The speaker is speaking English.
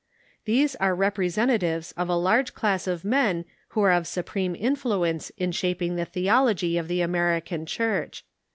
These are rep resentatives of a large class of men Avho are of supreme influ ence in shaping the theology of the American Church.